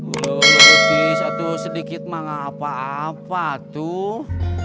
ulu ulu tris aduh sedikit makan apa apa tuh